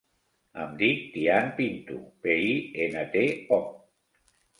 Em dic Tian Pinto: pe, i, ena, te, o.